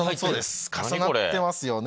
重なってますよね。